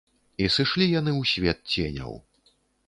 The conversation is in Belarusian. І сышлі яны ў свет ценяў.